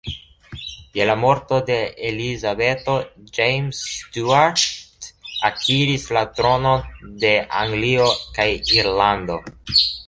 Je la morto de Elizabeto, James Stuart akiris la tronon de Anglio kaj Irlando.